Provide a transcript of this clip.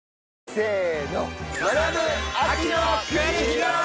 せーの！